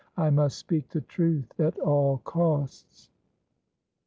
I must speak the truth at all costs."